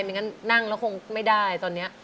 อย่างนั้นนั่งแล้วคงไม่ได้ตอนนี้